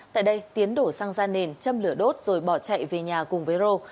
tại đây tiến đổ xăng ra nền châm lửa đốt rồi bỏ chạy về nhà cùng với rô